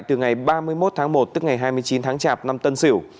từ ngày ba mươi một tháng một tức ngày hai mươi chín tháng chạp năm tân sửu